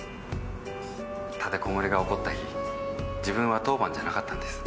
立てこもりが起こった日自分は当番じゃなかったんです。